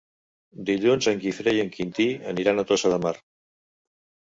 Dilluns en Guifré i en Quintí aniran a Tossa de Mar.